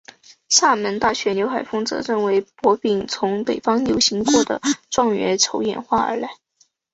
厦门大学刘海峰则认为博饼从北方流行过的状元筹演化而来。